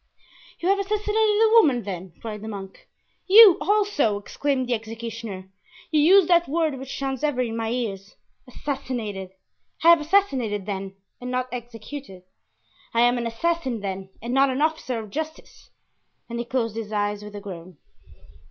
You have assassinated a woman, then?" cried the monk. "You also!" exclaimed the executioner, "you use that word which sounds ever in my ears—'assassinated!' I have assassinated, then, and not executed! I am an assassin, then, and not an officer of justice!" and he closed his eyes with a groan.